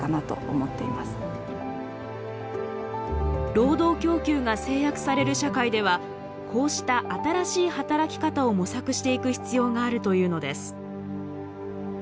労働供給が制約される社会ではこうした新しい働き方を模索していく必要があるというのです。